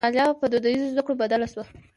مطالعه په دودیزو زدکړو بدله شوه.